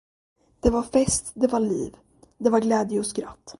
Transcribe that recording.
Det var fest, det var liv, det var glädje och skratt.